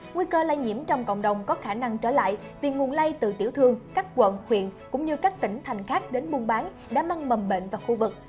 nguy cơ lây nhiễm trong cộng đồng có khả năng trở lại vì nguồn lây từ tiểu thương các quận huyện cũng như các tỉnh thành khác đến buôn bán đã mang mầm bệnh vào khu vực